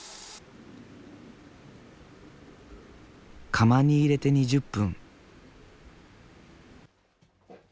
窯に入れて２０分。